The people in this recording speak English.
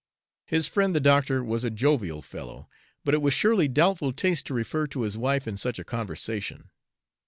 His friend the doctor was a jovial fellow, but it was surely doubtful taste to refer to his wife in such a conversation.